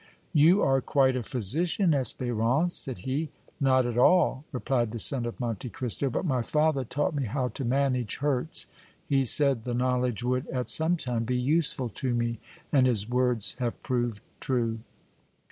"You are quite a physician, Espérance," said he. "Not at all," replied the son of Monte Cristo; "but my father taught me how to manage hurts; he said the knowledge would at some time be useful to me, and his words have proved true."